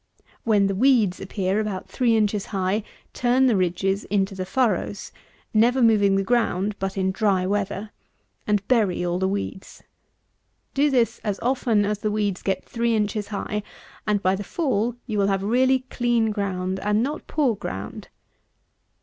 When the weeds appear about three inches high, turn the ridges into the furrows (never moving the ground but in dry weather,) and bury all the weeds. Do this as often as the weeds get three inches high; and by the fall, you will have really clean ground, and not poor ground.